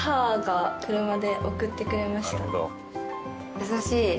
優しい。